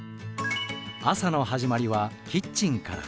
朝の始まりはキッチンから。